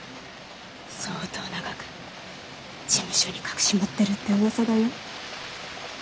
相当な額事務所に隠し持ってるってうわさだよ。